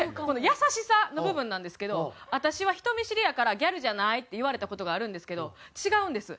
優しさの部分なんですけど「私は人見知りやからギャルじゃない」って言われた事があるんですけど違うんです。